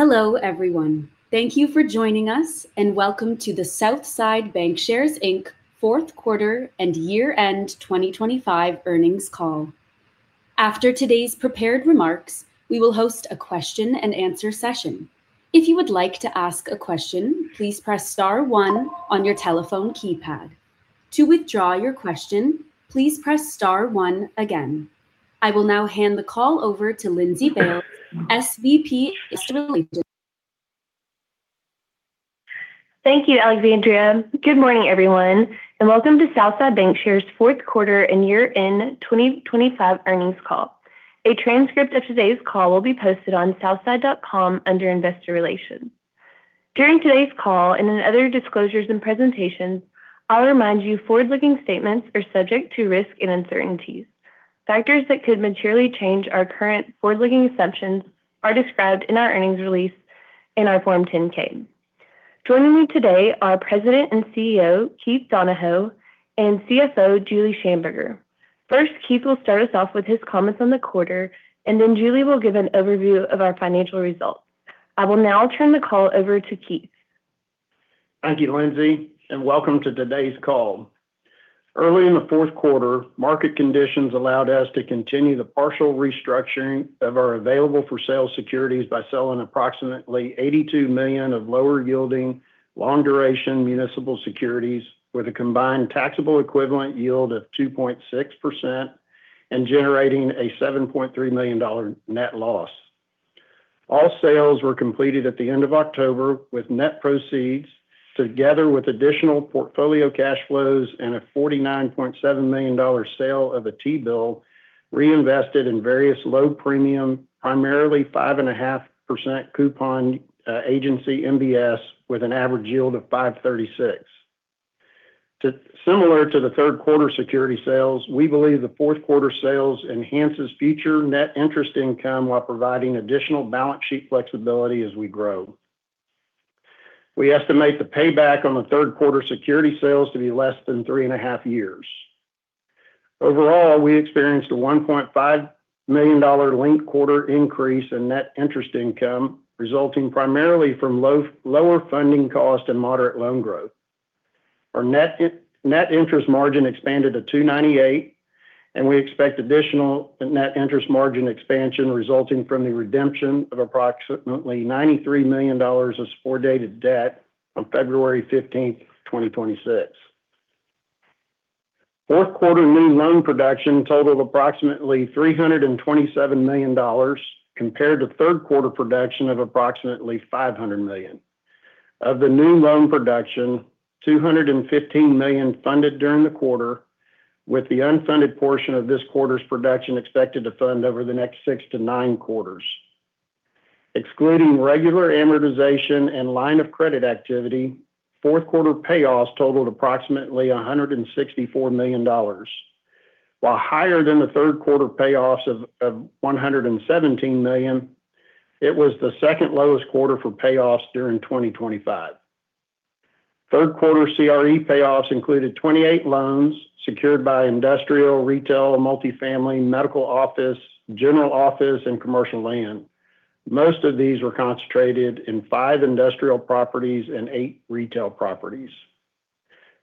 Hello, everyone. Thank you for joining us, and welcome to the Southside Bancshares Inc fourth quarter and year-end 2025 earnings call. After today's prepared remarks, we will host a question and answer session. If you would like to ask a question, please press star one on your telephone keypad. To withdraw your question, please press star one again. I will now hand the call over to Lindsey Bailes, SVP, Investor Relations. Thank you, Alexandria. Good morning, everyone, and welcome to Southside Bancshares fourth quarter and year-end 2025 earnings call. A transcript of today's call will be posted on southside.com under Investor Relations. During today's call and in other disclosures and presentations, I'll remind you, forward-looking statements are subject to risk and uncertainties. Factors that could materially change our current forward-looking assumptions are described in our earnings release in our Form 10-K. Joining me today are President and CEO Keith Donahoe and CFO Julie Shamburger. First, Keith will start us off with his comments on the quarter, and then Julie will give an overview of our financial results. I will now turn the call over to Keith. Thank you, Lindsey, and welcome to today's call. Early in the fourth quarter, market conditions allowed us to continue the partial restructuring of our available-for-sale securities by selling approximately $82 million of lower yielding, long-duration municipal securities with a combined taxable equivalent yield of 2.6% and generating a $7.3 million net loss. All sales were completed at the end of October, with net proceeds, together with additional portfolio cash flows and a $49.7 million sale of a T-bill, reinvested in various low-premium, primarily 5.5% coupon agency MBS, with an average yield of 5.36%. Similar to the third quarter security sales, we believe the fourth quarter sales enhances future net interest income while providing additional balance sheet flexibility as we grow. We estimate the payback on the third quarter security sales to be less than 3.5 years. Overall, we experienced a $1.5 million linked quarter increase in net interest income, resulting primarily from lower funding cost and moderate loan growth. Our net interest margin expanded to 2.98%, and we expect additional net interest margin expansion resulting from the redemption of approximately $93 million of subordinated debt on February 15th, 2026. Fourth quarter new loan production totaled approximately $327 million, compared to third quarter production of approximately $500 million. Of the new loan production, $215 million funded during the quarter, with the unfunded portion of this quarter's production expected to fund over the next six to nine quarters. Excluding regular amortization and line of credit activity, fourth quarter payoffs totaled approximately $164 million. While higher than the third quarter payoffs of $117 million, it was the second lowest quarter for payoffs during 2025. Third quarter CRE payoffs included 28 loans secured by industrial, retail, and multifamily, medical office, general office, and commercial land. Most of these were concentrated in five industrial properties and eight retail properties.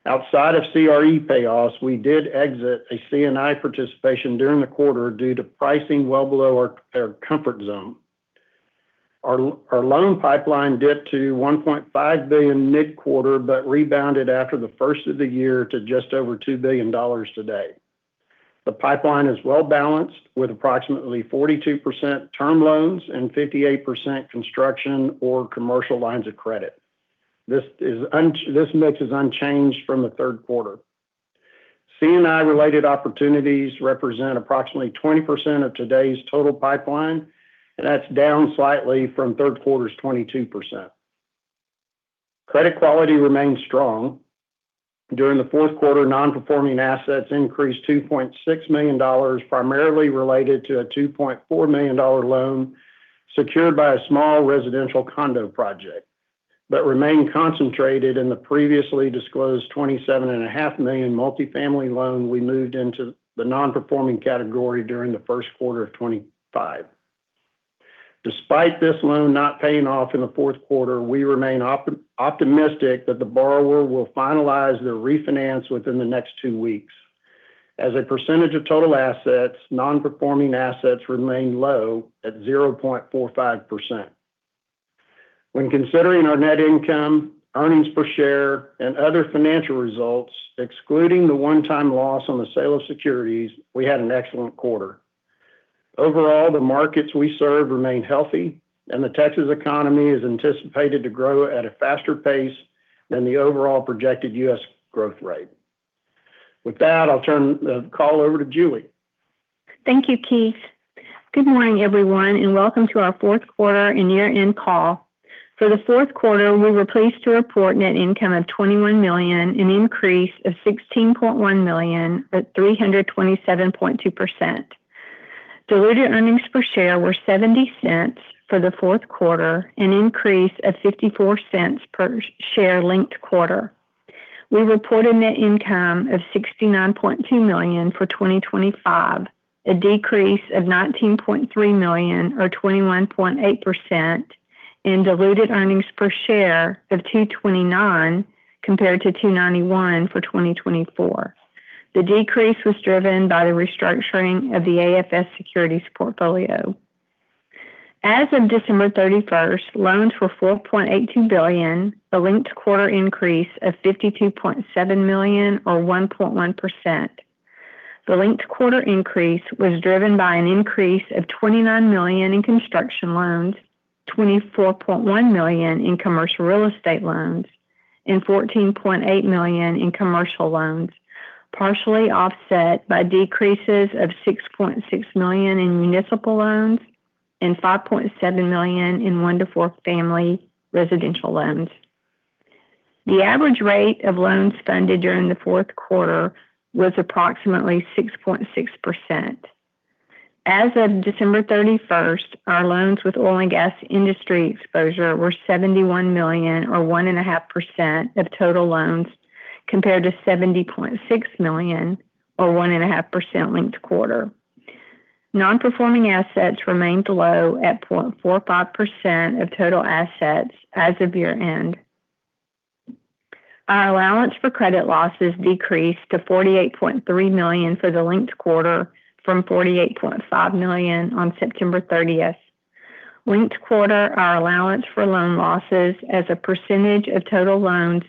Outside of CRE payoffs, we did exit a C&I participation during the quarter due to pricing well below our comfort zone. Our loan pipeline dipped to $1.5 billion mid-quarter, but rebounded after the first of the year to just over $2 billion today. The pipeline is well-balanced, with approximately 42% term loans and 58% construction or commercial lines of credit. This mix is unchanged from the third quarter. C&I-related opportunities represent approximately 20% of today's total pipeline, and that's down slightly from third quarter's 22%. Credit quality remains strong. During the fourth quarter, non-performing assets increased $2.6 million, primarily related to a $2.4 million loan secured by a small residential condo project, but remain concentrated in the previously disclosed $27.5 million multifamily loan we moved into the non-performing category during the first quarter of 2025. Despite this loan not paying off in the fourth quarter, we remain optimistic that the borrower will finalize their refinance within the next two weeks. As a percentage of total assets, non-performing assets remain low at 0.45%. When considering our net income, earnings per share, and other financial results, excluding the one time loss on the sale of securities, we had an excellent quarter. Overall, the markets we serve remain healthy, and the Texas economy is anticipated to grow at a faster pace than the overall projected U.S. growth rate. With that, I'll turn the call over to Julie. Thank you, Keith. Good morning, everyone, and welcome to our fourth quarter and year-end call. For the fourth quarter, we were pleased to report net income of $21 million, an increase of $16.1 million at 327.2%. Diluted earnings per share were $0.70 for the fourth quarter, an increase of $0.54 per share linked quarter.... We reported net income of $69.2 million for 2025, a decrease of $19.3 million, or 21.8% in diluted earnings per share of $2.29, compared to $2.91 for 2024. The decrease was driven by the restructuring of the AFS securities portfolio. As of December 31st, loans were $4.18 billion, a linked-quarter increase of $52.7 million, or 1.1%. The linked-quarter increase was driven by an increase of $29 million in construction loans, $24.1 million in commercial real estate loans, and $14.8 million in commercial loans, partially offset by decreases of $6.6 million in municipal loans and $5.7 million in one-to-four family residential loans. The average rate of loans funded during the fourth quarter was approximately 6.6%. As of December 31st, our loans with oil and gas industry exposure were $71 million, or 1.5% of total loans, compared to $70.6 million, or 1.5% linked-quarter. Non-performing assets remained low at 0.45% of total assets as of year-end. Our allowance for credit losses decreased to $48.3 million for the linked-quarter from $48.5 million on September 30th. Linked-quarter, our allowance for loan losses as a percentage of total loans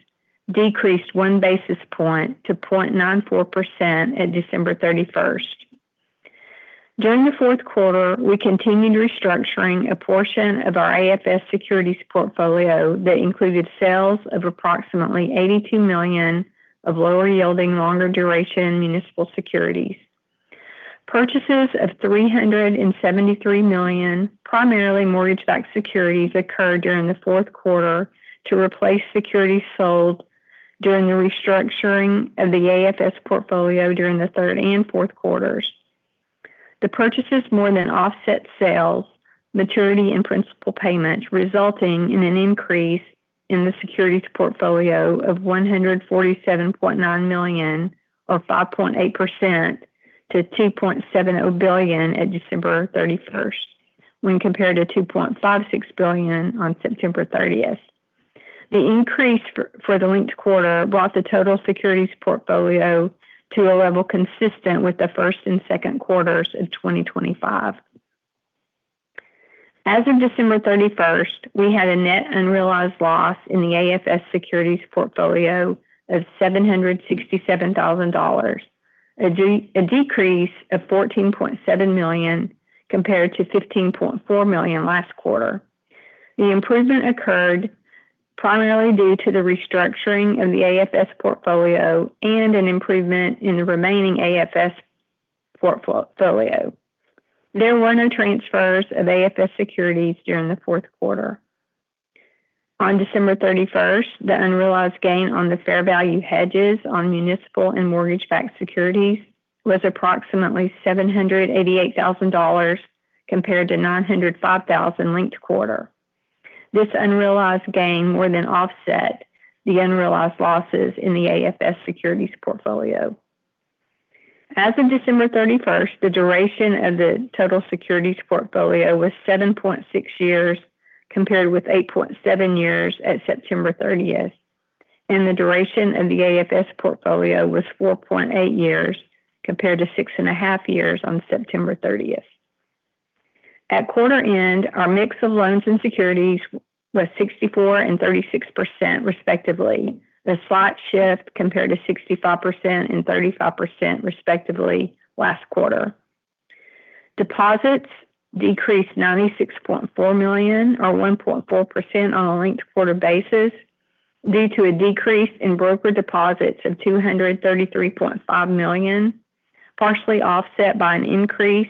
decreased one basis point to 0.94% at December 31st. During the fourth quarter, we continued restructuring a portion of our AFS securities portfolio that included sales of approximately $82 million of lower yielding, longer duration municipal securities. Purchases of $373 million, primarily mortgage-backed securities, occurred during the fourth quarter to replace securities sold during the restructuring of the AFS portfolio during the third and fourth quarters. The purchases more than offset sales, maturity and principal payments, resulting in an increase in the securities portfolio of $147.9 million, or 5.8% to $2.7 billion at December 31st, when compared to $2.56 billion on September 30th. The increase for the linked quarter brought the total securities portfolio to a level consistent with the first and second quarters of 2025. As of December 31st, we had a net unrealized loss in the AFS securities portfolio of $767,000, a decrease of $14.7 million compared to $15.4 million last quarter. The improvement occurred primarily due to the restructuring of the AFS portfolio and an improvement in the remaining AFS portfolio. There were no transfers of AFS securities during the fourth quarter. On December 31st, the unrealized gain on the fair value hedges on municipal and mortgage-backed securities was approximately $788,000, compared to $905,000 linked quarter. This unrealized gain more than offset the unrealized losses in the AFS securities portfolio. As of December 31st, the duration of the total securities portfolio was 7.6 years, compared with 8.7 years at September 30th, and the duration of the AFS portfolio was 4.8 years, compared to 6.5 years on September 30th. At quarter end, our mix of loans and securities was 64% and 36%, respectively. The slight shift compared to 65% and 35%, respectively, last quarter. Deposits decreased $96.4 million, or 1.4% on a linked-quarter basis, due to a decrease in brokered deposits of $233.5 million, partially offset by an increase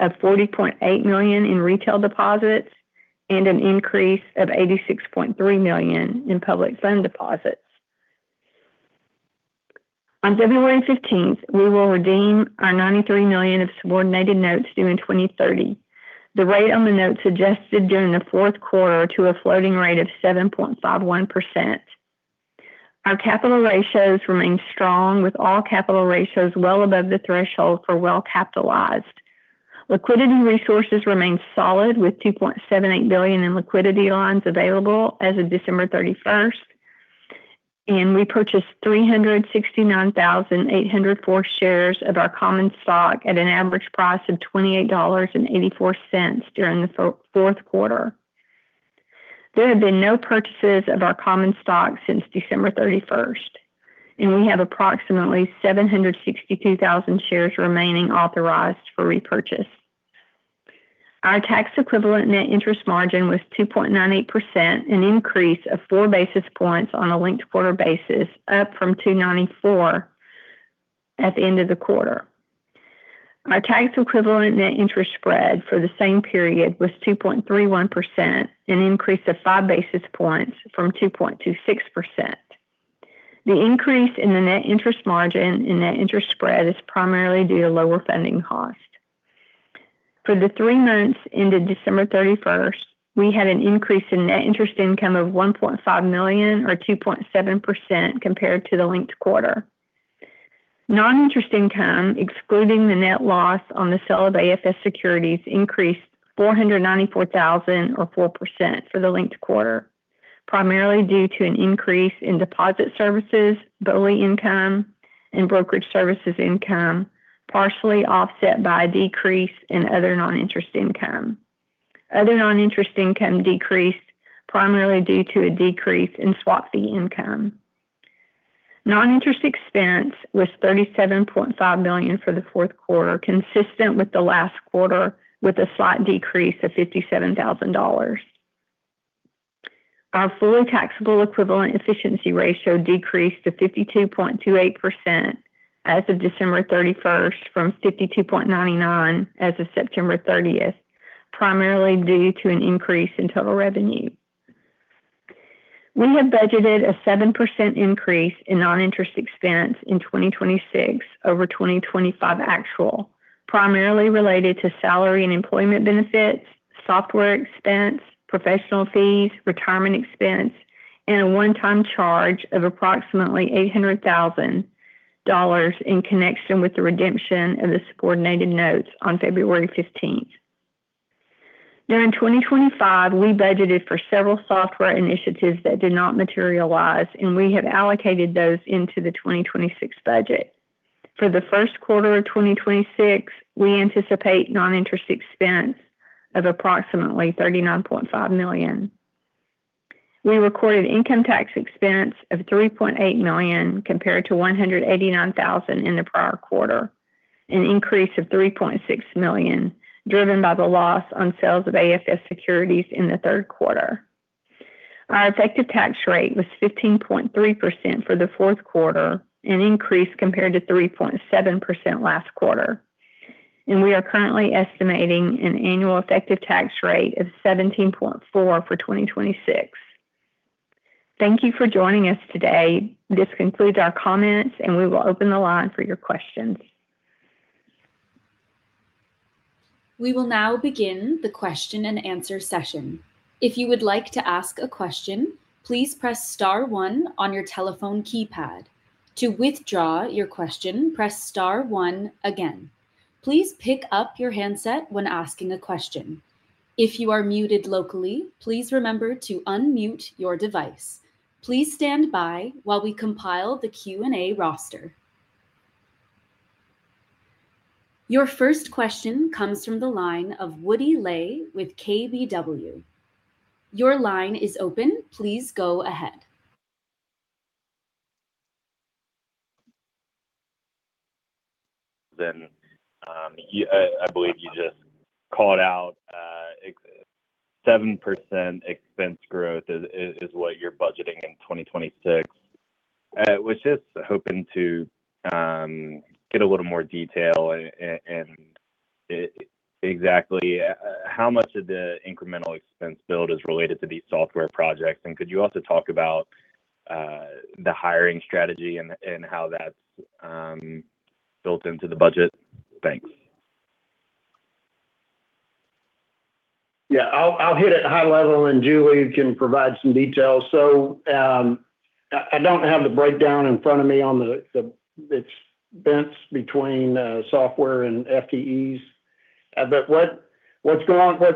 of $40.8 million in retail deposits and an increase of $86.3 million in public fund deposits. On February 15th, we will redeem our $93 million of subordinated notes due in 2030. The rate on the notes adjusted during the fourth quarter to a floating rate of 7.51%. Our capital ratios remain strong, with all capital ratios well above the threshold for well-capitalized. Liquidity resources remain solid, with $2.78 billion in liquidity lines available as of December 31st, and we purchased 369,804 shares of our common stock at an average price of $28.84 during the fourth quarter. There have been no purchases of our common stock since December 31st, and we have approximately 762,000 shares remaining authorized for repurchase. Our tax equivalent net interest margin was 2.98%, an increase of 4 basis points on a linked quarter basis, up from 2.94% at the end of the quarter. Our tax equivalent net interest spread for the same period was 2.31%, an increase of 5 basis points from 2.26%. The increase in the net interest margin and net interest spread is primarily due to lower funding costs. For the three months ended December 31st, we had an increase in net interest income of $1.5 million, or 2.7% compared to the linked quarter. Non-interest income, excluding the net loss on the sale of AFS securities, increased $494,000, or 4% for the linked quarter, primarily due to an increase in deposit services, BOLI income, and brokerage services income, partially offset by a decrease in other non-interest income. Other non-interest income decreased primarily due to a decrease in swap fee income. Non-interest expense was $37.5 million for the fourth quarter, consistent with the last quarter, with a slight decrease of $57,000. Our fully taxable equivalent efficiency ratio decreased to 52.28% as of December 31st, from 52.99% as of September 30th, primarily due to an increase in total revenue. We have budgeted a 7% increase in non-interest expense in 2026 over 2025 actual, primarily related to salary and employment benefits, software expense, professional fees, retirement expense, and a one-time charge of approximately $800,000 in connection with the redemption of the subordinated notes on February 15th. During 2025, we budgeted for several software initiatives that did not materialize, and we have allocated those into the 2026 budget. For the first quarter of 2026, we anticipate non-interest expense of approximately $39.5 million. We recorded income tax expense of $3.8 million, compared to $189,000 in the prior quarter, an increase of $3.6 million, driven by the loss on sales of AFS securities in the third quarter. Our effective tax rate was 15.3% for the fourth quarter, an increase compared to 3.7% last quarter, and we are currently estimating an annual effective tax rate of 17.4% for 2026. Thank you for joining us today. This concludes our comments, and we will open the line for your questions. We will now begin the question and answer session. If you would like to ask a question, please press star one on your telephone keypad. To withdraw your question, press star one again. Please pick up your handset when asking a question. If you are muted locally, please remember to unmute your device. Please stand by while we compile the Q&A roster. Your first question comes from the line of Woody Lay with KBW. Your line is open. Please go ahead. Then, I believe you just called out exactly 7% expense growth is what you're budgeting in 2026. Was just hoping to get a little more detail and exactly how much of the incremental expense build is related to these software projects? And could you also talk about the hiring strategy and how that's built into the budget? Thanks. Yeah, I'll hit it high level, and Julie can provide some details. So, I don't have the breakdown in front of me on the expense between software and FTEs. But what's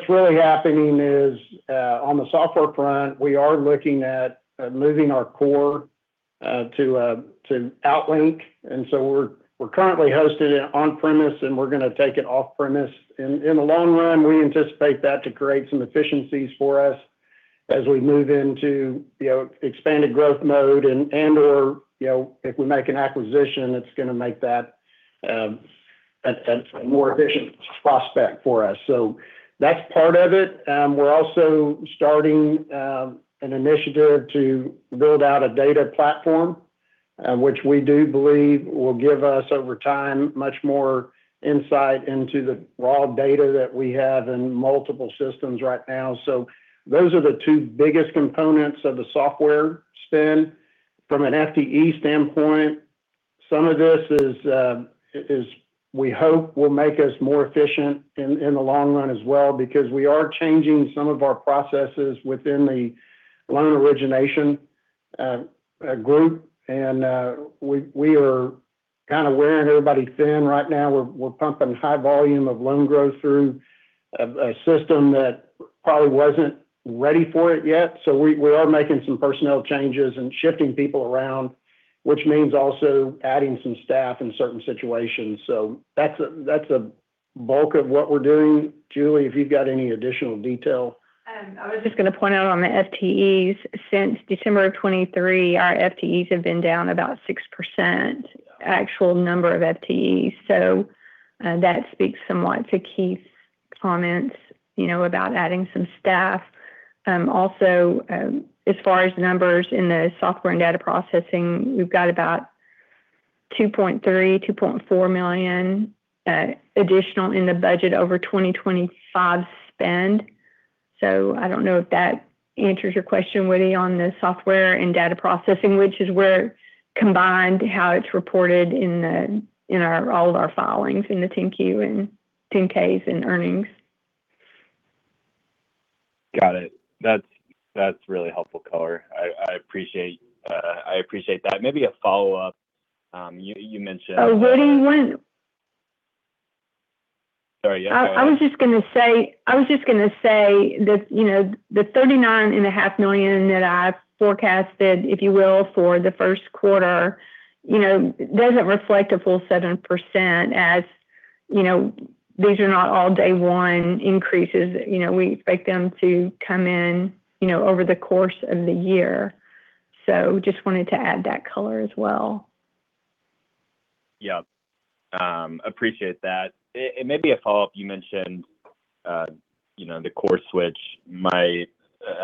really happening is on the software front, we are looking at moving our core to OutLink. And so we're currently hosted it on-premises, and we're gonna take it off-premises. In the long run, we anticipate that to create some efficiencies for us as we move into, you know, expanded growth mode and/or, you know, if we make an acquisition, it's gonna make that a more efficient prospect for us. So that's part of it. We're also starting an initiative to build out a data platform, which we do believe will give us, over time, much more insight into the raw data that we have in multiple systems right now. So those are the two biggest components of the software spend. From an FTE standpoint, some of this is, we hope, will make us more efficient in the long run as well, because we are changing some of our processes within the loan origination group. We are kind of wearing everybody thin right now. We're pumping high volume of loan growth through a system that probably wasn't ready for it yet. So we are making some personnel changes and shifting people around, which means also adding some staff in certain situations. So that's a bulk of what we're doing. Julie, if you've got any additional detail. I was just gonna point out on the FTEs, since December of 2023, our FTEs have been down about 6%, actual number of FTEs. So, that speaks somewhat to Keith's comments, you know, about adding some staff. Also, as far as numbers in the software and data processing, we've got about $2.3 million-$2.4 million additional in the budget over 2025 spend. So I don't know if that answers your question, Woody, on the software and data processing, which is where combined how it's reported in the, in our, all of our filings in the 10-Q and 10-Ks and earnings. Got it. That's, that's really helpful color. I appreciate that. Maybe a follow-up, you mentioned- Oh, Woody, one- Sorry, yeah, go ahead. I was just gonna say that, you know, the $39.5 million that I've forecasted, if you will, for the first quarter, you know, doesn't reflect a full 7%, as, you know, these are not all day one increases. You know, we expect them to come in, you know, over the course of the year. So just wanted to add that color as well. Yeah. Appreciate that. And maybe a follow-up, you mentioned, you know, the core switch might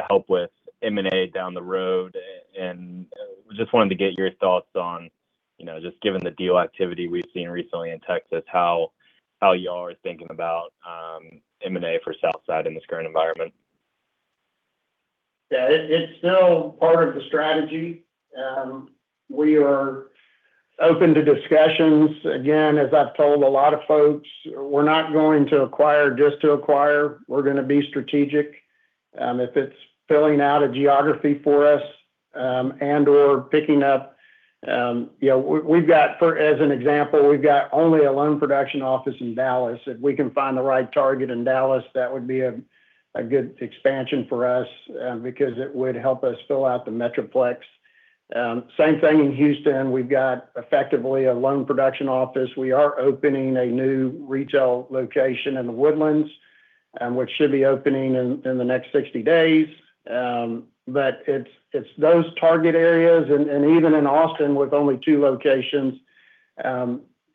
help with M&A down the road, and just wanted to get your thoughts on, you know, just given the deal activity we've seen recently in Texas, how y'all are thinking about M&A for Southside in this current environment? Yeah. It's still part of the strategy. We are open to discussions. Again, as I've told a lot of folks, we're not going to acquire just to acquire. We're gonna be strategic, if it's filling out a geography for us, and/or picking up... You know, we've got, as an example, only a loan production office in Dallas. If we can find the right target in Dallas, that would be a good expansion for us, because it would help us fill out The Metroplex. Same thing in Houston, we've got effectively a loan production office. We are opening a new retail location in The Woodlands, which should be opening in the next 60 days. But it's those target areas and even in Austin, with only two locations,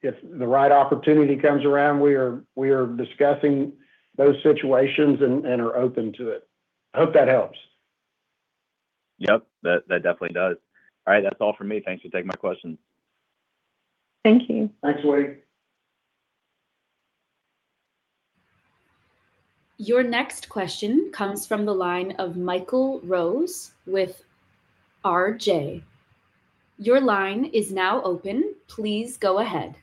if the right opportunity comes around, we are discussing those situations and are open to it. I hope that helps. Yep, that definitely does. All right, that's all from me. Thanks for taking my question. Thank you. Thanks, Woody. Your next question comes from the line of Michael Rose with Raymond James. Your line is now open. Please go ahead.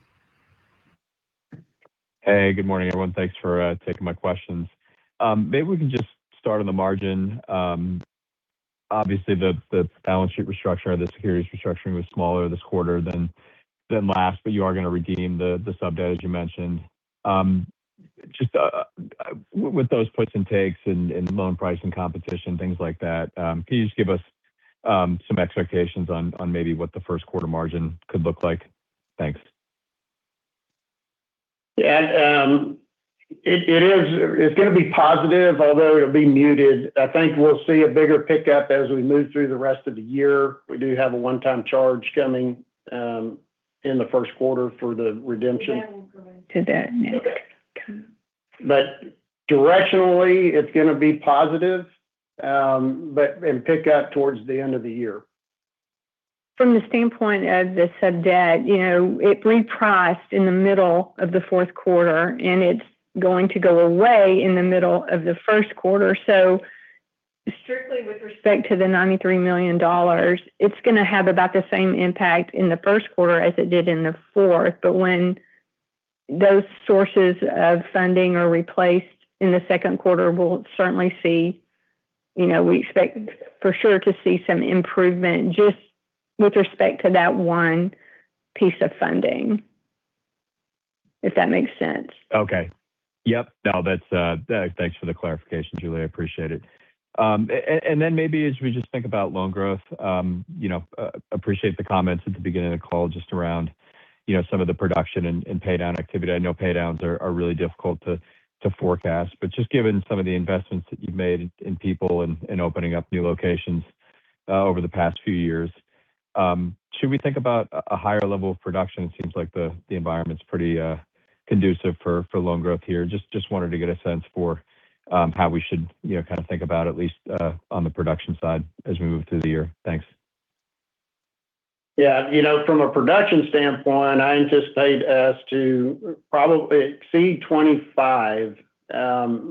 Hey, good morning, everyone. Thanks for taking my questions. Maybe we can just start on the margin. Obviously, the balance sheet restructure or the securities restructuring was smaller this quarter than last, but you are gonna redeem the sub debt, as you mentioned. Just with those puts and takes and loan pricing competition, things like that, can you just give us some expectations on maybe what the first quarter margin could look like? Thanks. Yeah, it is—it's gonna be positive, although it'll be muted. I think we'll see a bigger pickup as we move through the rest of the year. We do have a one-time charge coming in the first quarter for the redemption. To that, okay. But directionally, it's gonna be positive, and pick up towards the end of the year. From the standpoint of the sub debt, you know, it repriced in the middle of the fourth quarter, and it's going to go away in the middle of the first quarter. So strictly with respect to the $93 million, it's gonna have about the same impact in the first quarter as it did in the fourth. But when those sources of funding are replaced in the second quarter, we'll certainly see, you know, we expect for sure to see some improvement just with respect to that one piece of funding, if that makes sense. Okay. Yep. No, that's, thanks for the clarification, Julie, I appreciate it. And then maybe as we just think about loan growth, you know, appreciate the comments at the beginning of the call, just around, you know, some of the production and paydown activity. I know paydowns are really difficult to forecast, but just given some of the investments that you've made in people and opening up new locations over the past few years, should we think about a higher level of production? It seems like the environment's pretty conducive for loan growth here. Just wanted to get a sense for how we should, you know, kind of think about at least on the production side as we move through the year. Thanks. Yeah, you know, from a production standpoint, I anticipate us to probably exceed 2025,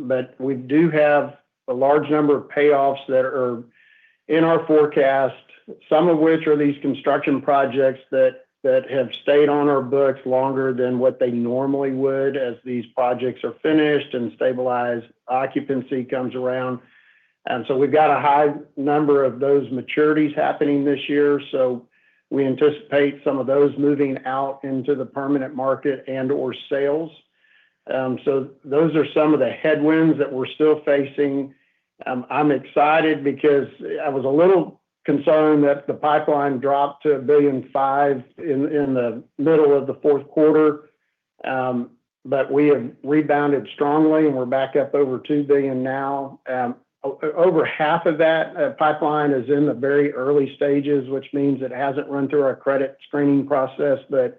but we do have a large number of payoffs that are in our forecast, some of which are these construction projects that have stayed on our books longer than what they normally would, as these projects are finished and stabilized, occupancy comes around. And so we've got a high number of those maturities happening this year, so we anticipate some of those moving out into the permanent market and/or sales. So those are some of the headwinds that we're still facing. I'm excited because I was a little concerned that the pipeline dropped to $1.5 billion in the middle of the fourth quarter. But we have rebounded strongly, and we're back up over $2 billion now. Over half of that pipeline is in the very early stages, which means it hasn't run through our credit screening process, but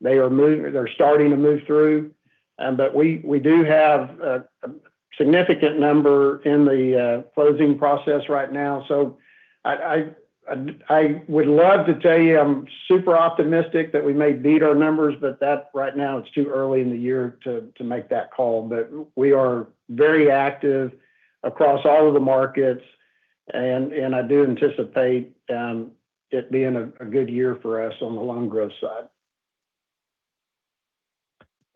they are starting to move through. But we do have a significant number in the closing process right now. So I would love to tell you I'm super optimistic that we may beat our numbers, but right now, it's too early in the year to make that call. But we are very active across all of the markets and I do anticipate it being a good year for us on the loan growth side.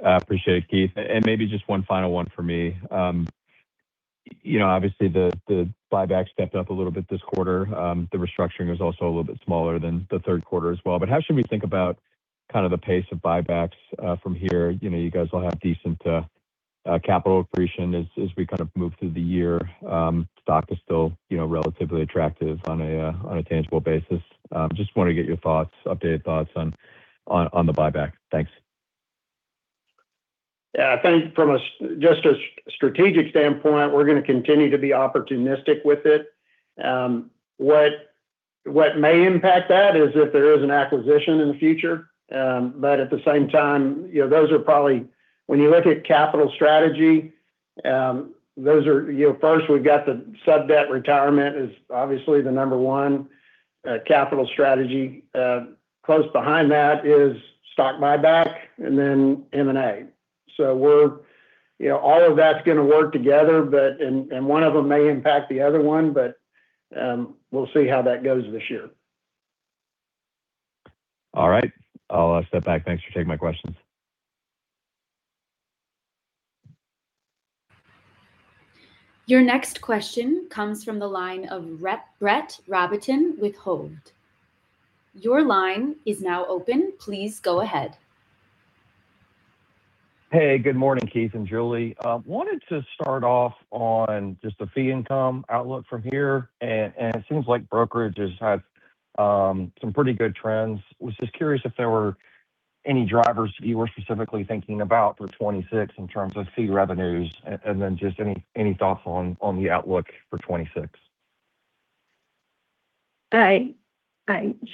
I appreciate it, Keith. Maybe just one final one for me. You know, obviously the buyback stepped up a little bit this quarter. The restructuring was also a little bit smaller than the third quarter as well, but how should we think about kind of the pace of buybacks from here? You know, you guys will have decent capital accretion as we kind of move through the year. Stock is still, you know, relatively attractive on a tangible basis. Just wanted to get your thoughts, updated thoughts on the buyback. Thanks. Yeah, I think from a strategic standpoint, we're gonna continue to be opportunistic with it. What may impact that is if there is an acquisition in the future. But at the same time, you know, those are probably when you look at capital strategy, those are. You know, first, we've got the sub-debt retirement is obviously the number one capital strategy. Close behind that is stock buyback and then M&A. So, you know, all of that's gonna work together, but and one of them may impact the other one, but we'll see how that goes this year. All right. I'll step back. Thanks for taking my questions. Your next question comes from the line of Brett Rabatin with Hovde. Your line is now open. Please go ahead. Hey, good morning, Keith and Julie. Wanted to start off on just the fee income outlook from here, and it seems like brokerages have some pretty good trends. Was just curious if there were any drivers you were specifically thinking about for 2026 in terms of fee revenues, and then just any thoughts on the outlook for 2026? Hi.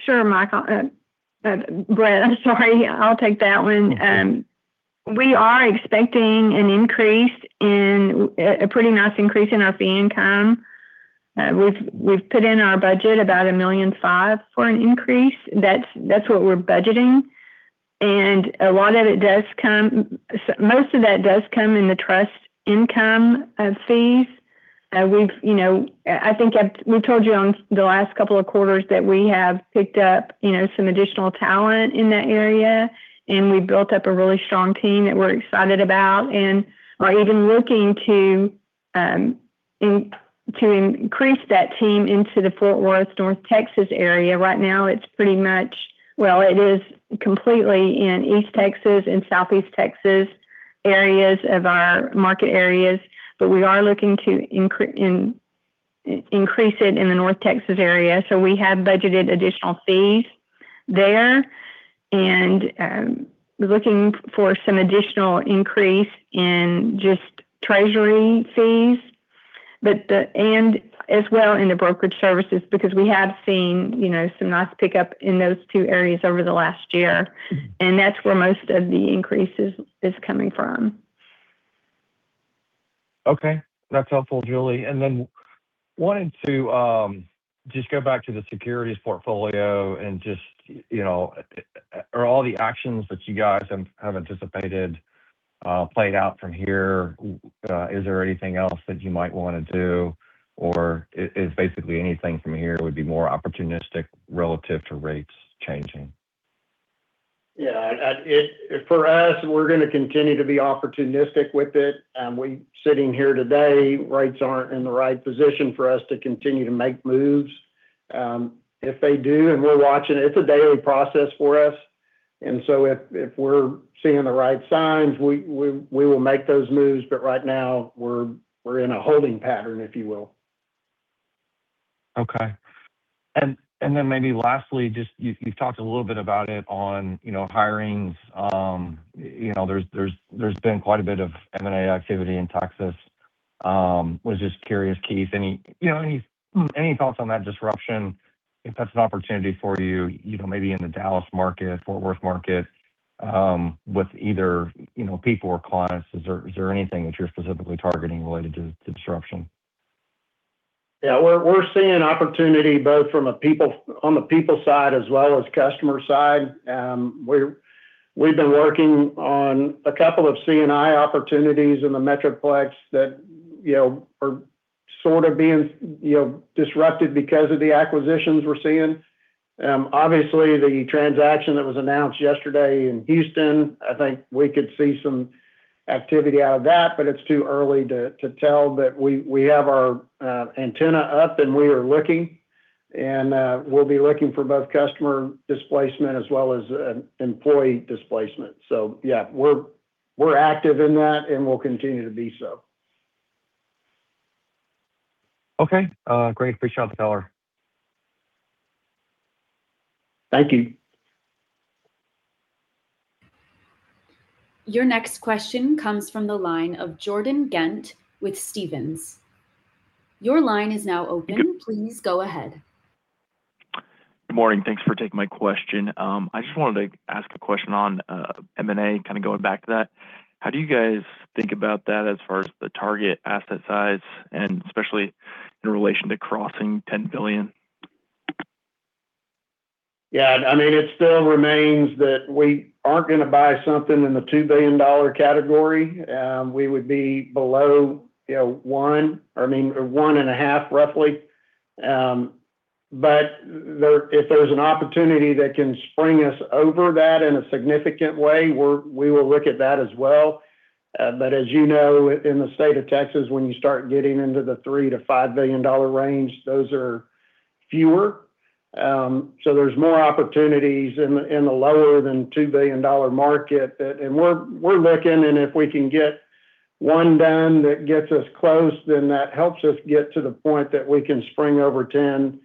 Sure, Michael. Brett, sorry. I'll take that one. We are expecting an increase in a pretty nice increase in our fee income. We've put in our budget about $1.5 million for an increase. That's what we're budgeting. And a lot of it does comes most of that does come in the trust income, fees. We've, you know, I think we told you on the last couple of quarters that we have picked up, you know, some additional talent in that area, and we built up a really strong team that we're excited about and are even looking to to increase that team into the Fort Worth, North Texas area. Right now, it's pretty much... Well, it is completely in East Texas and Southeast Texas areas of our market areas, but we are looking to increase it in the North Texas area. So we have budgeted additional fees there, and we're looking for some additional increase in just treasury fees, but and as well in the brokerage services, because we have seen, you know, some nice pickup in those two areas over the last year, and that's where most of the increase is coming from. Okay. That's helpful, Julie. And then wanted to just go back to the securities portfolio and just, you know, are all the actions that you guys have anticipated played out from here? Is there anything else that you might wanna do, or is basically anything from here would be more opportunistic relative to rates changing? Yeah, for us, we're gonna continue to be opportunistic with it. Sitting here today, rates aren't in the right position for us to continue to make moves. If they do, and we're watching, it's a daily process for us. And so if we're seeing the right signs, we will make those moves, but right now we're in a holding pattern, if you will. Okay. And then maybe lastly, just you've talked a little bit about it on, you know, hirings. You know, there's been quite a bit of M&A activity in Texas. Was just curious, Keith, any, you know, any thoughts on that disruption? If that's an opportunity for you, you know, maybe in the Dallas market, Fort Worth market, with either, you know, people or clients, is there anything that you're specifically targeting related to disruption? Yeah. We're seeing opportunity both from a people side as well as customer side. We've been working on a couple of C&I opportunities in The Metroplex that, you know, are sort of being, you know, disrupted because of the acquisitions we're seeing. Obviously, the transaction that was announced yesterday in Houston, I think we could see some activity out of that, but it's too early to tell. But we have our antenna up and we are looking, and we'll be looking for both customer displacement as well as employee displacement. So yeah, we're active in that, and we'll continue to be so. Okay. Great. Appreciate the color. Thank you. Your next question comes from the line of Jordan Ghent with Stephens. Your line is now open. Good- Please go ahead. Good morning. Thanks for taking my question. I just wanted to ask a question on M&A, kind of going back to that. How do you guys think about that as far as the target asset size, and especially in relation to crossing $10 billion?... Yeah, I mean, it still remains that we aren't gonna buy something in the $2 billion category. We would be below, you know, one, I mean, 1.5, roughly. But if there's an opportunity that can spring us over that in a significant way, we will look at that as well. But as you know, in the state of Texas, when you start getting into the $3 billion-$5 billion range, those are fewer. So there's more opportunities in the, in the lower than $2 billion market that... And we're, we're looking, and if we can get one done that gets us close, then that helps us get to the point that we can spring over 10,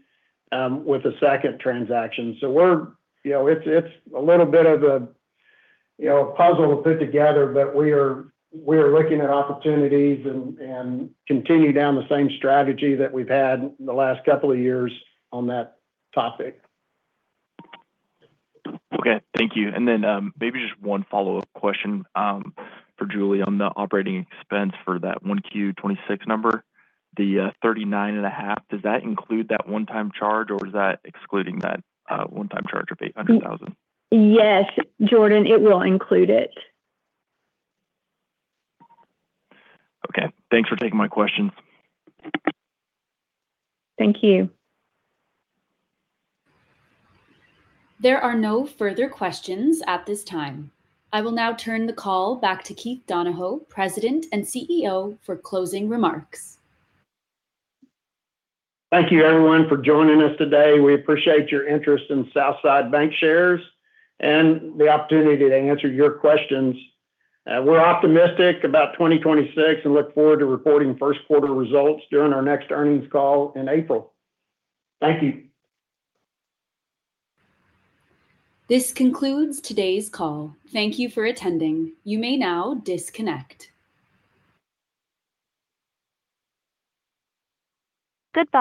with a second transaction. So we're, you know, it's a little bit of a, you know, a puzzle to put together, but we are looking at opportunities and continue down the same strategy that we've had in the last couple of years on that topic. Okay, thank you. Then, maybe just one follow-up question for Julie on the operating expense for that Q2 2026 number. The 39.5, does that include that one-time charge, or is that excluding that one-time charge of $800,000? Yes, Jordan, it will include it. Okay. Thanks for taking my questions. Thank you. There are no further questions at this time. I will now turn the call back to Keith Donahoe, President and CEO, for closing remarks. Thank you, everyone, for joining us today. We appreciate your interest in Southside Bancshares and the opportunity to answer your questions. We're optimistic about 2026 and look forward to reporting first quarter results during our next earnings call in April. Thank you. This concludes today's call. Thank you for attending. You may now disconnect. Goodbye.